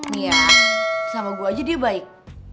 nih ya sama gue aja dia baik